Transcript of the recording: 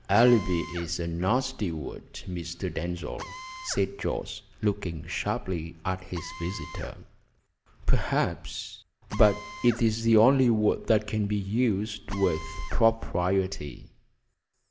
"Alibi is a nasty word, Mr. Denzil," said Jorce, looking sharply at his visitor. "Perhaps, but it is the only word that can be used with propriety."